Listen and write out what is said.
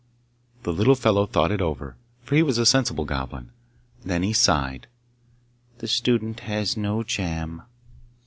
The little fellow thought it over, for he was a sensible Goblin. Then he sighed, 'The student has no jam!